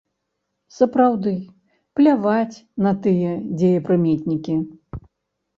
Сапраўды, пляваць на тыя дзеепрыметнікі.